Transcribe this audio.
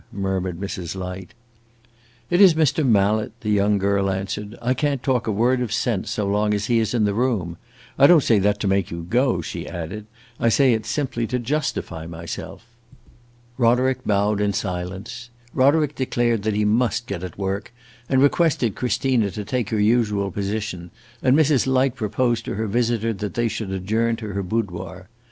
murmured Mrs. Light. "It is Mr. Mallet," the young girl answered. "I can't talk a word of sense so long as he is in the room. I don't say that to make you go," she added, "I say it simply to justify myself." Rowland bowed in silence. Roderick declared that he must get at work and requested Christina to take her usual position, and Mrs. Light proposed to her visitor that they should adjourn to her boudoir.